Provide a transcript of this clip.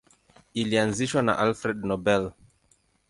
Ilianzishwa na Alfred Nobel.